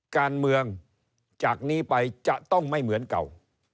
การเมืองจากนี้ไปจะต้องไม่เหมือนเก่า